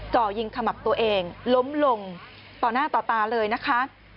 จ่อยิงขมับตัวเองล้มลงต่อหน้าต่อตาเลยนะคะ